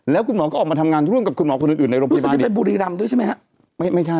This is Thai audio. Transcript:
แล้วคุณหมอก็ออกมาทำงานร่วมกับคุณหมอคนอื่นในโรงพยาบาลที่เป็นบุรีรำด้วยใช่ไหมครับ